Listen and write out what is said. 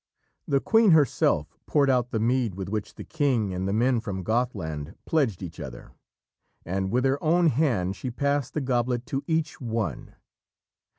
The queen herself poured out the mead with which the king and the men from Gothland pledged each other, and with her own hand she passed the goblet to each one.